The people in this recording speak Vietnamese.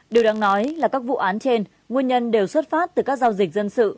điều đáng nói là các vụ án trên nguyên nhân đều xuất phát từ các giao dịch dân sự